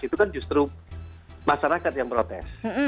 itu kan justru masyarakat yang protes